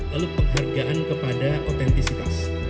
lalu penghargaan kepada otentisitas